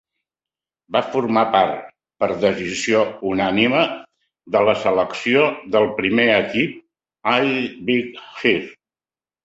Va formar part, per decisió unànime, de la selecció del primer equip All-Big East.